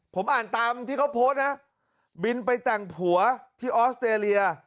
ผมอ่านตามที่เขาโพสต์นะบินไปแต่งผัวที่ออสเตรเลีย